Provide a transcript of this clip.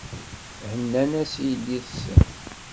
Hennan-as i yelli-tsen.